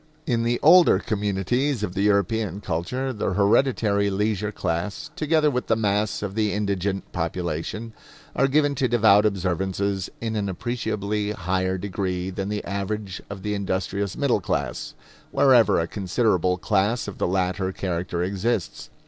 In the older communities of the European culture, the hereditary leisure class, together with the mass of the indigent population, are given to devout observances in an appreciably higher degree than the average of the industrious middle class, wherever a considerable class of the latter character exists.